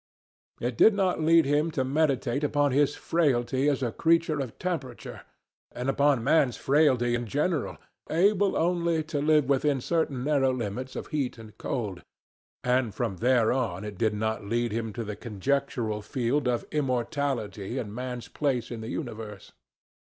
It did not lead him to meditate upon his frailty as a creature of temperature, and upon man's frailty in general, able only to live within certain narrow limits of heat and cold; and from there on it did not lead him to the conjectural field of immortality and man's place in the universe.